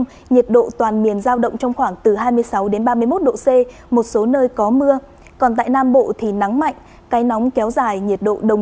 ghiền mì gõ để không bỏ lỡ những video hấp dẫn